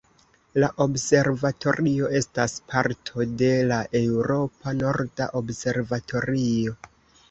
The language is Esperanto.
La Observatorio estas parto de la Eŭropa norda observatorio.